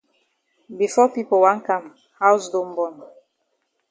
Before pipo wan kam haus don bon.